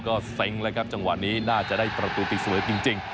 ก็เซ้งแล้วครับจังหวะนี้น่าจะได้ประตูที่สวยจริง